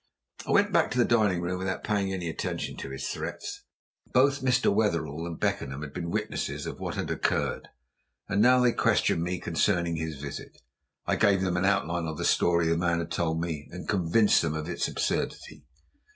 I went back to the dining room without paying any attention to his threats. Both Mr. Wetherell and Beckenham had been witnesses of what had occurred, and now they questioned me concerning his visit. I gave them an outline of the story the man had told me and convinced them of its absurdity.